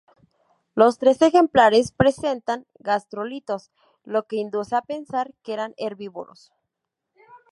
Los tres ejemplares presentan gastrolitos, lo que induce a pensar que eran herbívoros.